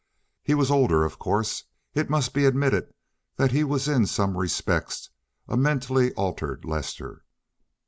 He was older of course. It must be admitted that he was in some respects a mentally altered Lester.